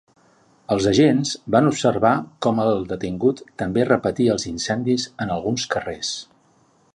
Els agents van observar com el detingut també repetia els incendis en alguns carrers.